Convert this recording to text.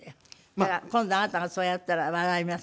じゃあ今度あなたがそうやったら笑います。